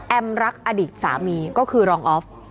รักอดีตสามีก็คือรองออฟ